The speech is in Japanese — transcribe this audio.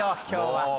今日は。